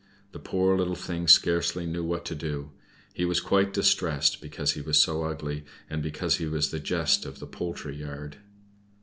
The poor little thing scarcely knew what to do. He was quite distressed, because he was so ugly, and because he was the jest of the poultry yard.